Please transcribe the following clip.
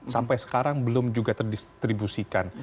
sampai sekarang belum juga terdistribusikan